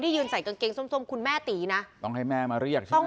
ตียยกมือกันให้พี่ดูหน่อย